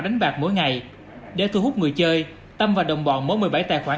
đánh bạc mỗi ngày để thu hút người chơi tâm và đồng bọn mở một mươi bảy tài khoản